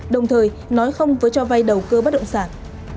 đồng thời nói không với cho vay đầu cơ bất động sản